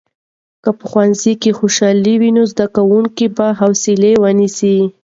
که په ښوونځي کې خوشالي وي، نو زده کوونکي به حوصلې ونیسي.